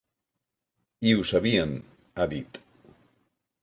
I ho sabien, ha dit.